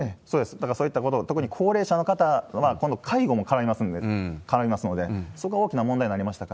だからそういったこと、特に高齢者の方は今度、介護も絡みますので、そこがおおきなもんだいになりました